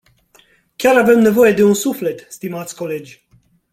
Chiar avem nevoie de un suflet, stimați colegi.